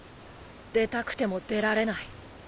出たくても出られない。